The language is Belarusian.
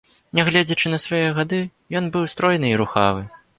Нягледзячы на свае гады, ён быў стройны і рухавы.